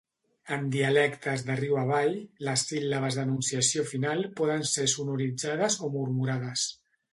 En dialectes de riu avall, les síl·labes d'enunciació final poden ser sonoritzades o murmurades.